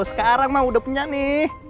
sekarang mah udah punya nih